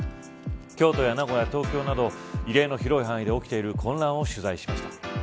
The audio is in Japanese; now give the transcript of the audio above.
京都や名古屋、東京など異例の広い範囲で起きている混乱を取材しました。